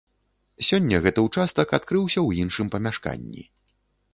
Сёння гэты ўчастак адкрыўся ў іншым памяшканні.